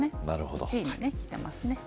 １位にきてますね。